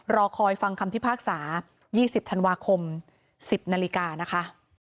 รอคอยฟังคำพิพากษา๒๐ธันวาคม๑๐นาฬิกานะคะ